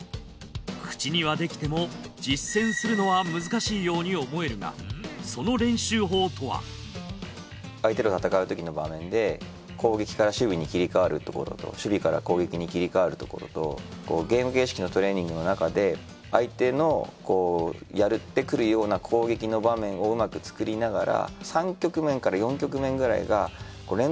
口にはできても実践するのは難しいように思えるが相手と戦うときの場面で攻撃から守備に切り替わるところと守備から攻撃に切り替わるところとゲーム形式のトレーニングのなかで相手のやってくるような攻撃の場面をうまく作りながら。